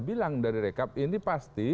bilang dari rekap ini pasti